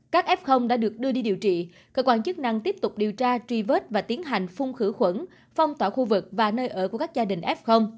các f đã được đưa đi điều trị cơ quan chức năng tiếp tục điều tra truy vết và tiến hành phun khử khuẩn phong tỏa khu vực và nơi ở của các gia đình f